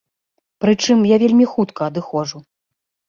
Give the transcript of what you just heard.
Прычым, я вельмі хутка адыходжу.